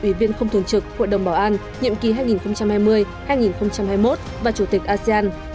ủy viên không thường trực hội đồng bảo an nhiệm kỳ hai nghìn hai mươi hai nghìn hai mươi một và chủ tịch asean